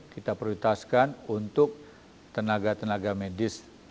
kita prioritaskan untuk tenaga tenaga medis